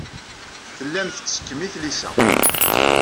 Tellam tettekkem i tlisa.